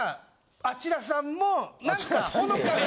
あちらさんも何かほのかに。